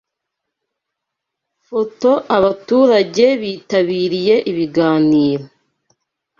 Photo Abaturage bitabiriye ibiganiro